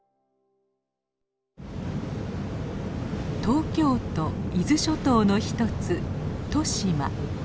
東京都伊豆諸島の一つ利島。